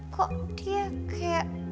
kok dia kayak